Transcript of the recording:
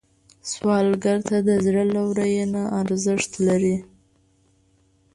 سوالګر ته د زړه لورینه ارزښت لري